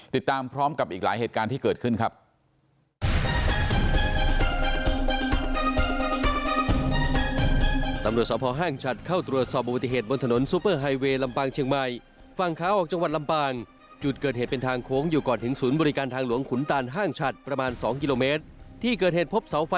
ติดตามพร้อมกับอีกหลายเหตุการณ์ที่เกิดขึ้นครับ